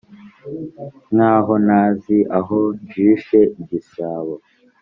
nk ' aho ntazi aho njishe igisabo ,